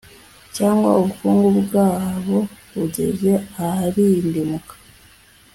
cyangwa ubukungu bwabo bugeze aharindimuka